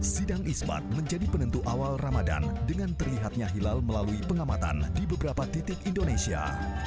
sidang isbat menjadi penentu awal ramadan dengan terlihatnya hilal melalui pengamatan di beberapa titik indonesia